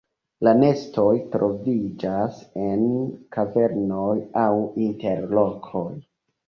La nestoj troviĝas en kavernoj aŭ inter rokoj.